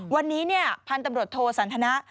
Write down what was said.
วันนี้พันธุ์ตำรวจโทสันทนะ